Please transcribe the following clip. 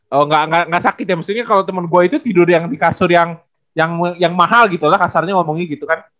kalau nggak sakit ya maksudnya kalau temen gue itu tidur yang di kasur yang mahal gitu lah kasarnya ngomongnya gitu kan